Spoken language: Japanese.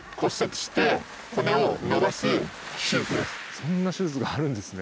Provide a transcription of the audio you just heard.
そんな手術があるんですね。